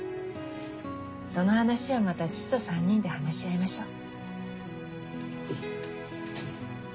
その話はまた義父と３人で話し合いましょう。